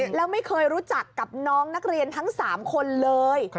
แล้วไม่เคยรู้จักกับน้องนักเรียนทั้ง๓คนเลย